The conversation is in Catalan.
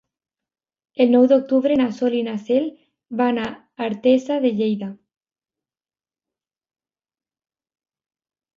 El nou d'octubre na Sol i na Cel van a Artesa de Lleida.